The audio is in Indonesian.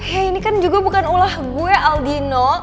hei ini kan juga bukan ulah gue aldino